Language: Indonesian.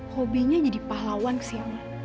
hobinya jadi pahlawan sih